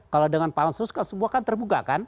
kalau dengan pansus kan semua kan terbuka kan